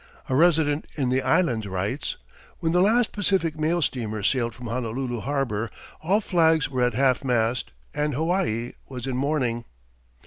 A resident in the Islands writes, "When the last Pacific Mail steamer sailed from Honolulu Harbour, all flags were at half mast and Hawaii was in mourning."